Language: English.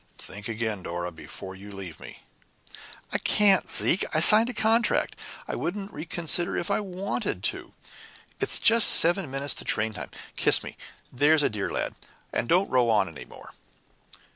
Think again, Dora, before you leave me!" "I can't, Zeke. I've signed a contract. I couldn't reconsider if I wanted to. It's just seven minutes to train time. Kiss me there's a dear lad and don't row me any more!"